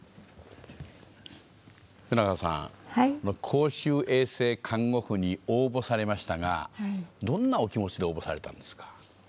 公衆衛生看護婦に応募されましたがどんなお気持ちで応募されたんですか？